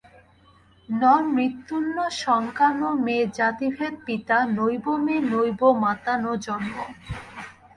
ন মৃত্যুর্ন শঙ্কা ন মে জাতিভেদ পিতা নৈব মে নৈব মাতা ন জন্ম।